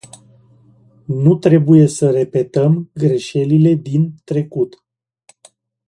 Nu trebuie să repetăm greșelile din trecut.